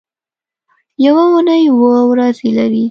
یوه اونۍ اووه ورځې لري